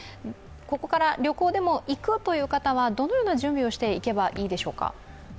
ここから旅行でも行くという方はどのような準備をして行けばいいでしょうか。